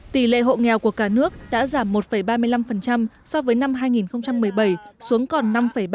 tỷ lệ hộ nghèo của cả nước đã giảm một ba mươi năm so với năm hai nghìn một mươi bảy xuống còn năm ba mươi